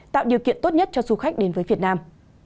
tạo điều kiện tốt nhất cho du khách đến với việt nam